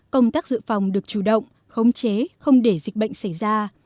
công tác dự phòng được chủ động khống chế không để dịch bệnh xảy ra